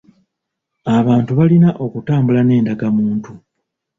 Abantu balina okutambula n’endagamuntu.